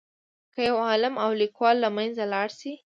که یو عالم او لیکوال له منځه لاړ شي.